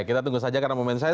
kita tunggu saja karena momen saya